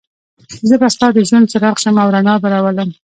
زه به ستا د ژوند څراغ شم او رڼا به راولم.